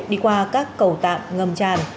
đi qua các cầu tạng ngầm tràn